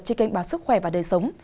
trên kênh báo sức khỏe và đời sống